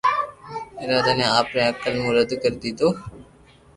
اراده ني آپري عقل مون رڌ ري ڌيڌو